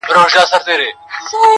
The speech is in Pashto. ترور دوهمه مور ده.